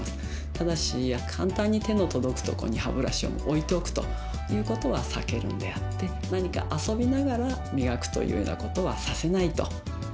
ただし簡単に手の届くとこに歯ブラシを置いておくということは避けるんであって何か遊びながらみがくというようなことはさせないと。